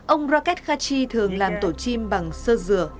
ông rakesh kashi thường làm tổ chim bằng sơ dừa